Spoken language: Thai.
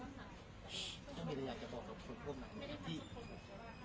เขาไม่บังทีม